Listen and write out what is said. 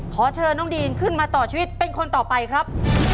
ขอเชิญน้องดีนขึ้นมาต่อชีวิตเป็นคนต่อไปครับ